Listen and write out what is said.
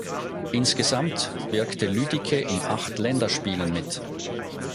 Insgesamt wirkte Lüdicke in acht Länderspielen mit.